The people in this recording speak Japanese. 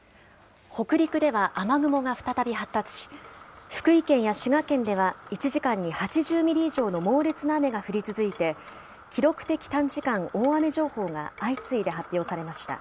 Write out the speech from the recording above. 北陸では雨雲が再び発達し、福井県や滋賀県では、１時間に８０ミリ以上の猛烈な雨が降り続いて、記録的短時間大雨情報が相次いで発表されました。